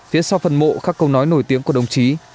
phía sau phần mộ các câu nói nổi tiếng của đồng chí